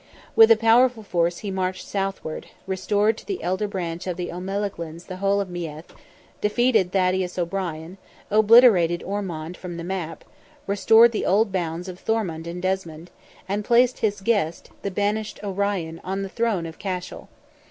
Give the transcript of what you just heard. With a powerful force he marched southward, restored to the elder branch of the O'Melaghlins the whole of Meath, defeated Thaddeus O'Brien, obliterated Ormond from the map, restored the old bounds of Thomond and Desmond, and placed his guest, the banished O'Brien, on the throne of Cashel.